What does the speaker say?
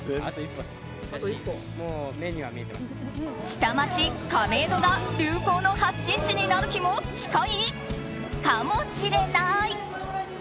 下町・亀戸が流行の発信地になる日も近い？かもしれない。